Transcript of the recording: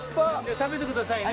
食べてくださいね。